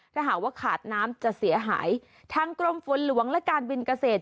ถ้าหากว่าขาดน้ำจะเสียหายทางกรมฝนหลวงและการบินเกษตร